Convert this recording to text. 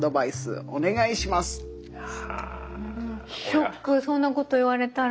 ショックそんなこと言われたら。